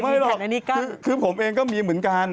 หรอกคือผมเองก็มีเหมือนกัน